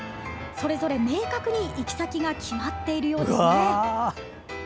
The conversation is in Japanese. それぞれ、明確に行き先が決まっているようですね。